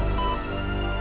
ya allah papa